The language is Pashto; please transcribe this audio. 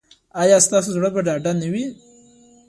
ایا ستاسو زړه به ډاډه نه وي؟